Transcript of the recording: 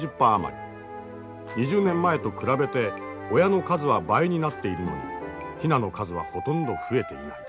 ２０年前と比べて親の数は倍になっているのにヒナの数はほとんど増えていない。